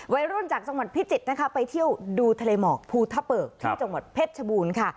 วัยรุ่นจากจังหวัดพิจิตรนะคะไปเที่ยวดูทะเลหมอกภูทะเปิกที่จังหวัดเพชรชบูรณ์ค่ะ